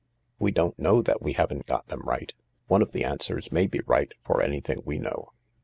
"We don't know that we haven't got them right. One of the answers may be right for anything we know.